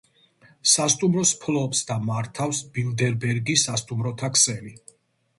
სასტუმროს ფლობს და მართავს ბილდერბერგის სასტუმროთა ქსელი.